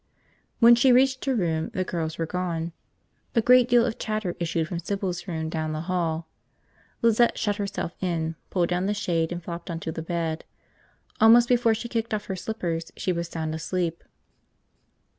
When she reached her room the girls were gone. A great deal of chatter issued from Sybil's room down the hall. Lizette shut herself in, pulled down the shade and flopped onto the bed. Almost before she kicked off her slippers, she was sound asleep.